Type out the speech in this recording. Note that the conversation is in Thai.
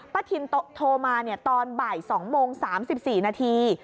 พระทิญโทรมาตอนโไม่๒โมง๓๔นาที